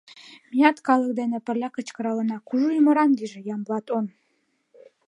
Меат калык дене пырля кычкыралына: «Кужу ӱмыран лийже Ямблат он!»